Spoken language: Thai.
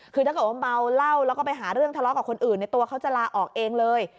คือถ้าเกิดว่าเมาเหล้าแล้วก็ไปหาเรื่องทะเลาะกับคนอื่นในตัวเขาจะลาออกเองเลย